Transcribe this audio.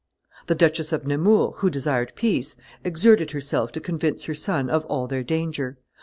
The Duchess of Nemours, who desired peace, exerted herself to convince her son of all their danger.